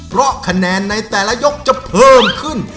เพราะคะแนนในแต่ละยกจะเพิ่มขึ้น